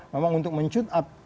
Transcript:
memang untuk men shoot up